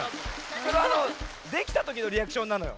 それあのできたときのリアクションなのよ。